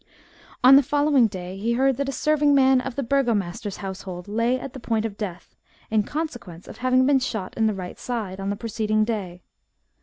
On the following day he heard that a serving man of the burgomaster's household lay at the point of death, in consequence of having been shot in the right side, on the preceding day.